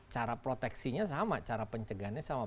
cara proteksinya sama cara pencegahannya sama